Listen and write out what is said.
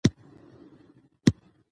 زه د ژوند له پاره مبارزه کوم.